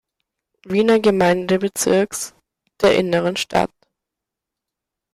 Wiener Gemeindebezirks, der Inneren Stadt.